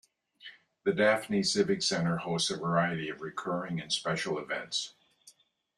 The Daphne Civic Center hosts a variety of recurring and special events.